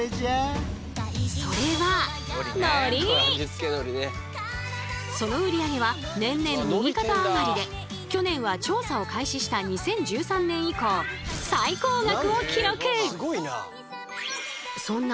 それはその売り上げは年々右肩上がりで去年は調査を開始した２０１３年以降最高額を記録！